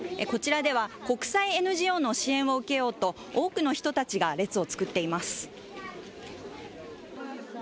こちらでは国際ＮＧＯの支援を受けようと多くの人たちが列を作っています。